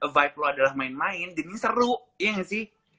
vibe lo adalah main main jadi ini seru iya gak sih